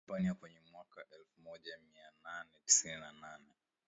dhidi Hispania kwenye mwaka elfumoja mianane tisini na nane